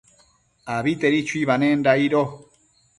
Abitedi chuibanenda aidquio